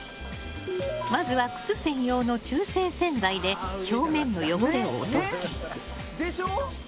まずは靴専用の中性洗剤で表面の汚れを落としていく。